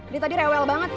dia tadi rewel banget